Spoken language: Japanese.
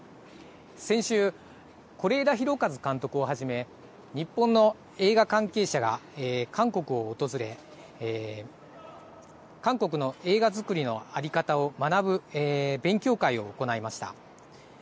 先週、是枝裕和監督をはじめ日本の映画関係者が韓国を訪れ韓国の映画作りの在り方を学ぶ勉強会を行いました。